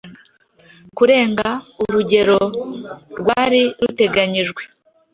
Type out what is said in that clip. Kurenga urugero rwari ruteganyijwe;